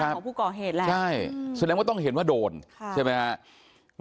อายุ๑๐ปีนะฮะเขาบอกว่าเขาก็เห็นถูกยิงนะครับ